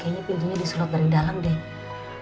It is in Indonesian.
kayaknya pintunya disedot dari dalam deh